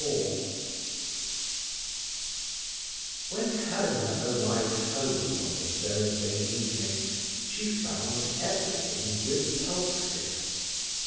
XXIV When Helena arrived home on the Thursday evening she found everything repulsive.